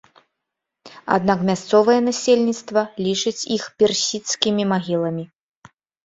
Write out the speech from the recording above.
Аднак мясцовае насельніцтва лічыць іх персідскімі магіламі.